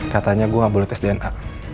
katanya gue gak boleh tes dna